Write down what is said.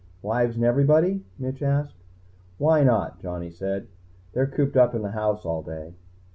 "Wives and everybody?" Mitch asked. "Why not?" Johnny said. "They're cooped up in the house all day."